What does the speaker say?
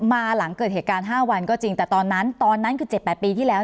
มาหลังเกิดเหตุการณ์๕วันก็จริงแต่ตอนนั้นตอนนั้นคือ๗๘ปีที่แล้ว